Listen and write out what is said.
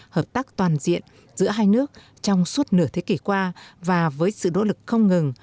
hợp tác toàn diện giữa hai nước trong suốt nửa thế kỷ qua và với sự nỗ lực không ngừng